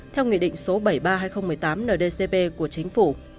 theo nghị định số bảy mươi ba hai nghìn một mươi tám ndcp của chính phủ